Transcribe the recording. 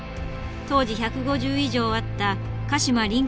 当時１５０以上あった鹿島臨海